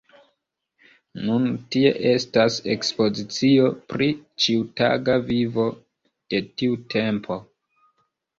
Nun tie estas ekspozicio pri ĉiutaga vivo de tiu tempo.